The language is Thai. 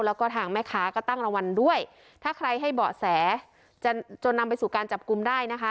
แล้วก็ทางแม่ค้าก็ตั้งรางวัลด้วยถ้าใครให้เบาะแสจนจนนำไปสู่การจับกลุ่มได้นะคะ